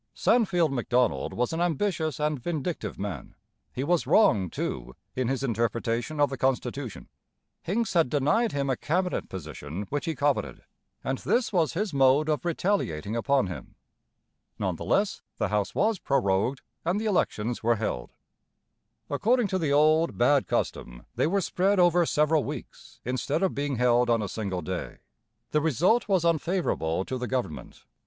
Sandfield Macdonald was an ambitious and vindictive man. He was wrong, too, in his interpretation of the constitution. Hincks had denied him a cabinet position which he coveted, and this was his mode of retaliating upon him. None the less, the House was prorogued, and the elections were held. According to the old, bad custom, they were spread over several weeks, instead of being held on a single day. The result was unfavourable to the government.